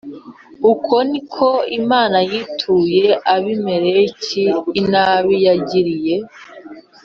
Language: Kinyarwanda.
Uko ni ko Imana yituye Abimeleki inabi yagiriye